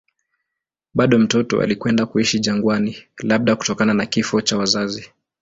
Bado mtoto alikwenda kuishi jangwani, labda kutokana na kifo cha wazazi.